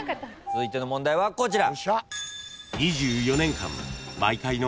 続いての問題はこちら。